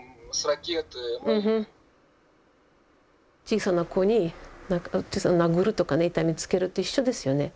小さな子に殴るとか痛めつけると一緒ですよね。